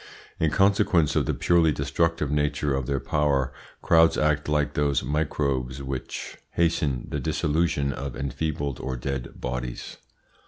In consequence of the purely destructive nature of their power crowds act like those microbes which hasten the dissolution of enfeebled or dead bodies.